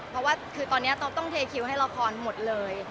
เพราะว่าคือตอนนี้ต้องเทคิวให้ละครหมดเลย